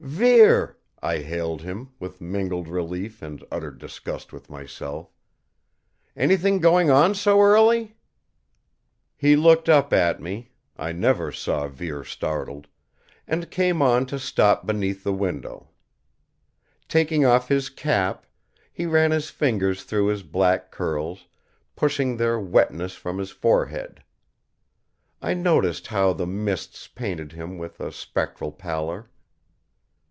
"Vere!" I hailed him, with mingled relief and utter disgust with myself. "Anything going on so early?" He looked up at me I never saw Vere startled and came on to stop beneath the window. Taking off his cap, he ran his fingers through his black curls, pushing their wetness from his forehead. I noticed how the mists painted him with a spectral pallor.